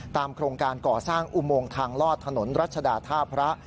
โครงการก่อสร้างอุโมงทางลอดถนนรัชดาท่าพระ